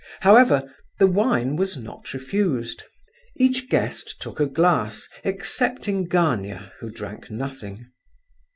However, the wine was not refused; each guest took a glass excepting Gania, who drank nothing.